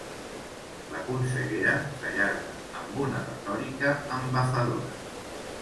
La consellera s'allarga amb una retòrica embafadora.